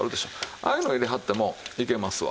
ああいうのを入れはってもいけますわ。